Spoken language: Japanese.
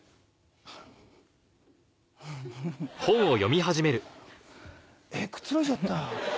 フフフ。えっ？くつろいじゃった。